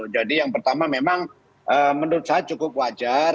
jadi yang pertama memang menurut saya cukup wajar